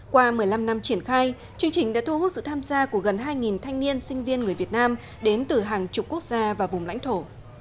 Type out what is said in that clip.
qua một mươi năm năm triển khai chương trình đã thu hút sự tham gia của gần hai thanh niên sinh viên người việt nam đến từ hàng chục quốc gia và vùng lãnh thổ